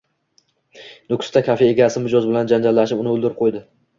Nukusda kafe egasi mijoz bilan janjallashib, uni o‘ldirib qo‘ydi